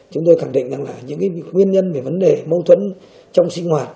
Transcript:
chúng tôi khẳng định rằng là những nguyên nhân về vấn đề mâu thuẫn trong sinh hoạt